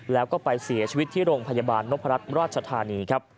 แล้วก็ไปเสียชีวิตที่โรงพยาบาลนพรัชราชธานีครับ